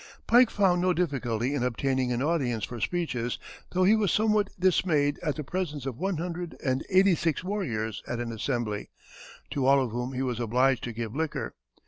Pike found no difficulty in obtaining an audience for speeches, though he was somewhat dismayed at the presence of one hundred and eighty six warriors at an assembly, to all of whom he was obliged to give liquor.